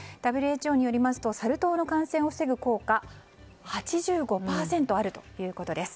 ＷＨＯによりますとサル痘の感染を防ぐ効果８５％あるということです。